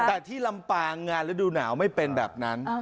แต่ที่ลำปางงานฤดูหนาวไม่เป็นแบบนั้น